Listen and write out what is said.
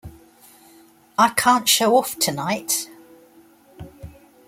I can't show off tonight.